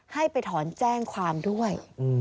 ให้ไปถอนแจ้งความด้วย